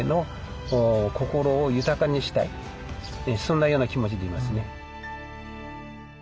そんなような気持ちでいますね。